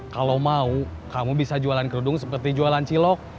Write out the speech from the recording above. kalau mau kamu bisa jualan kerudung seperti jualan cilok